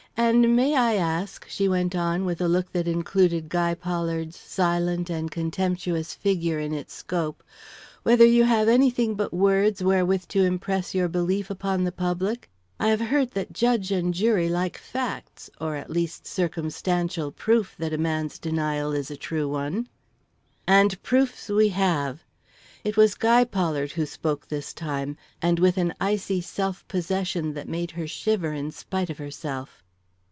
And may I ask," she went on, with a look that included Guy Pollard's silent and contemptuous figure in its scope, "whether you have anything but words wherewith to impress your belief upon the public? I have heard that judge and jury like facts, or, at the least, circumstantial proof that a man's denial is a true one." "And proofs we have!" It was Guy Pollard who spoke this time, and with an icy self possession that made her shiver in spite of herself.